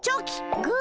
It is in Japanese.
グー！